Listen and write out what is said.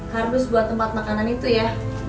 harus buat tempat makanan itu ya